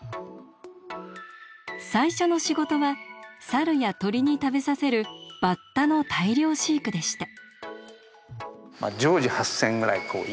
最初の仕事はサルや鳥に食べさせるバッタの大量飼育でした。